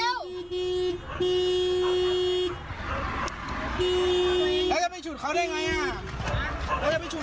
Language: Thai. กล้องแหน่มตั้ง